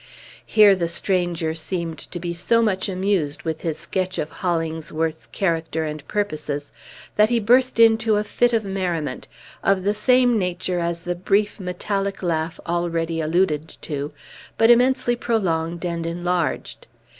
Here the stranger seemed to be so much amused with his sketch of Hollingsworth's character and purposes, that he burst into a fit of merriment, of the same nature as the brief, metallic laugh already alluded to, but immensely prolonged and enlarged.